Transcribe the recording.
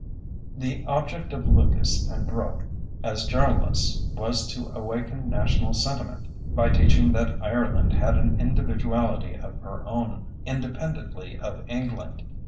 The object of Lucas and Brooke, as journalists, was to awaken national sentiment, by teaching that Ireland had an individuality of her own independently of England.